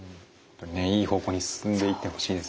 ねいい方向に進んでいってほしいですね。